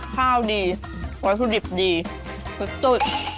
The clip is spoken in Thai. ข้าวดีวัสดิบดีสุด